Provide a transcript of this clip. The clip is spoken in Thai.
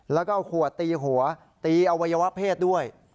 แล้วก็เอาขวดตีหัวตีอวัยวะเพศด้วย